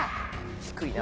低いな。